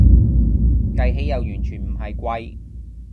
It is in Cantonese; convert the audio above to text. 計起又完全唔係貴